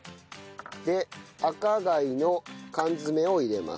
で赤貝の缶詰を入れます。